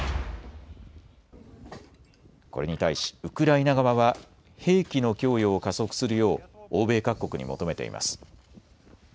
これに対しウクライナ側は兵器の供与を加速するよう欧米各国に求めています。